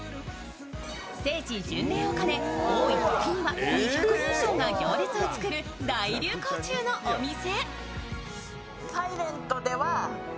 聖地巡礼をかね多いときには２００人以上が行列を作る大流行中のお店。